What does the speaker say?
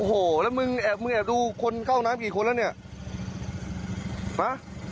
โอ้โหแล้วมึงแอบมึงแอบดูคนเข้าน้ำกี่คนแล้วเนี่ยมา